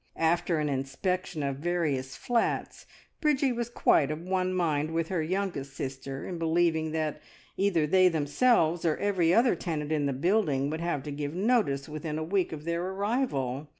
After an inspection of various flats Bridgie was quite of one mind with her youngest sister in believing that either they themselves or every other tenant in the building would have to give notice within a week of their arrival.